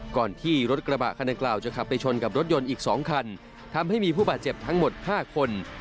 ก่อนที่รถกระบะคันดังกล่าวจะขับไปชนกับรถยนต์อีก๒คันทำให้มีผู้บาดเจ็บทั้งหมด๕คน